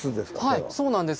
はいそうなんです。